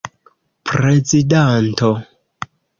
prezidanto